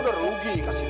papa juga keceplosan sih